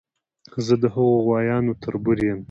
زه د هغو غوایانو تربور یم.